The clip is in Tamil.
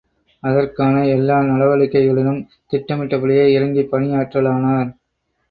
அதற்கான எல்லா நடவடிக்கைகளிலும் திட்டமிட்டபடியே இறங்கிப் பணியாற்றலானார்.